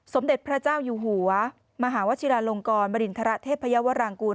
สมเด็จพระเจ้าอยู่หัวมหาวชิลาลงกรบริณฑระเทพยาวรางกูล